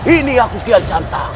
ini aku kiyan shanta